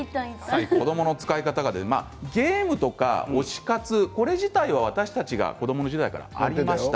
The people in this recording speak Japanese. ゲームとか推し活これ自体は、私たちが子ども時代からありました。